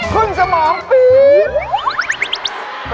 ขึ้นสมองปี๊บ